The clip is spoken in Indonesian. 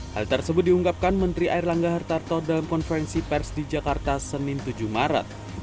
hal tersebut diungkapkan menteri air langga hartarto dalam konferensi pers di jakarta senin tujuh maret